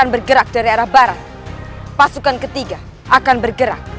mereka sudah mulai bergerak